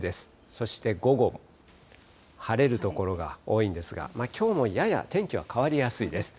そして午後、晴れる所が多いんですが、きょうもやや天気は変わりやすいです。